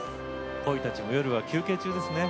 鯉たちも夜は休憩中ですね。